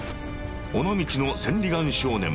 「尾道の千里眼少年」。